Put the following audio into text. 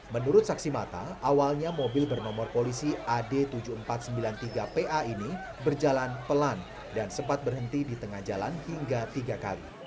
menurut saksi mata awalnya mobil bernomor polisi ad tujuh ribu empat ratus sembilan puluh tiga pa ini berjalan pelan dan sempat berhenti di tengah jalan hingga tiga kali